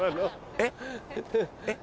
えっ？えっ？